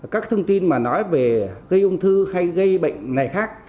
các thông tin mà nói về gây ung thư hay gây bệnh này khác